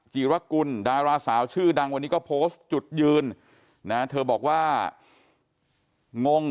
จีรกุลดาราสาวชื่อดังวันนี้ก็โพสต์จุดยืนนะเธอบอกว่างง